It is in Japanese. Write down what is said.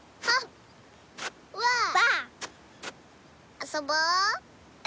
あそぼう！